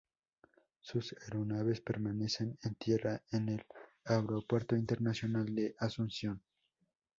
Sus aeronaves permanecen en tierra en el Aeropuerto Internacional de Asunción.